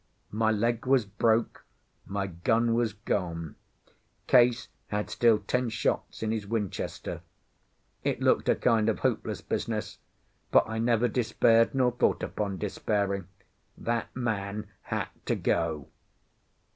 My leg was broke, my gun was gone. Case had still ten shots in his Winchester. It looked a kind of hopeless business. But I never despaired nor thought upon despairing: that man had got to go.